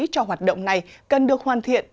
cho hoạt động này cần được hoàn thiện